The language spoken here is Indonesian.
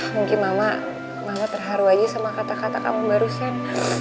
mungkin mama mama terharu aja sama kata kata kamu barusan